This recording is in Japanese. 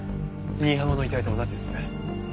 新浜の遺体と同じですね。